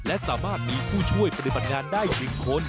และสามารถมีผู้ช่วยปฏิบัติงานได้๑คน